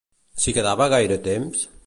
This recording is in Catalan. S'hi quedava gaire temps?